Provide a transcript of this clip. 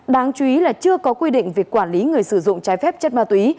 đáng chú ý là chưa có quy định về quản lý người sử dụng trái phép chất ma túy